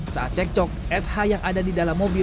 saat cekcok sh yang ada di dalam mobil